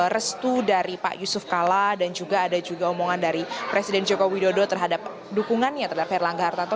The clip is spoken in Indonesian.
restu dari pak yusuf kala dan juga ada juga omongan dari presiden joko widodo terhadap dukungannya terhadap erlangga hartarto